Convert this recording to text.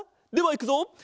ではいくぞ！